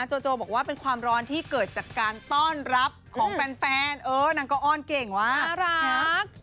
โจโจบอกว่าเป็นความร้อนที่เกิดจากการต้อนรับของแฟนเออนางก็อ้อนเก่งว่าน่ารัก